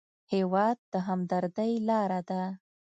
هېواد د همدردۍ لاره ده.